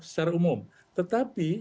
secara umum tetapi